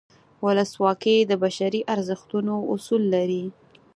ولسواکي د بشري ارزښتونو اصول لري.